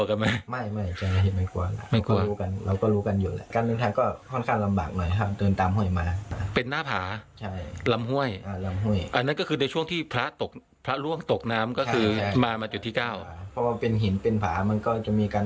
โคลนเส้นผามันก็จะมีการฐานเดินกันเลย